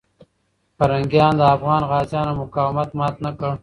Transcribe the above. پرنګیان د افغان غازیانو مقاومت مات نه کړ.